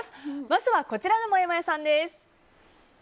まずはこちらのもやもやさんです。